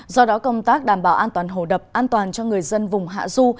do đó công tác đảm bảo an toàn hồ đập an toàn cho người dân vùng hạ du